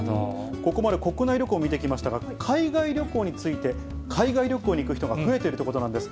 ここまで、国内旅行を見てきましたが、海外旅行について、海外旅行に行く人が増えてるということなんです。